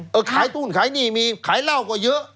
มีทุกจางขายตุ้นขายหนี่มีขายเหล้าก็เยอะ